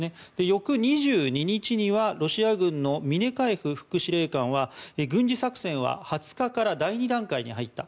翌２２日には、ロシア軍のミネカエフ副司令官は軍事作戦は２０日から第２段階に入った。